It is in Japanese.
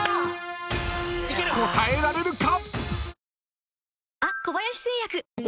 ［答えられるか⁉］